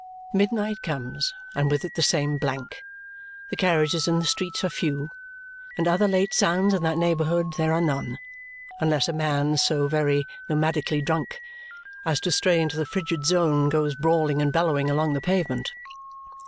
Midnight comes, and with it the same blank. The carriages in the streets are few, and other late sounds in that neighbourhood there are none, unless a man so very nomadically drunk as to stray into the frigid zone goes brawling and bellowing along the pavement.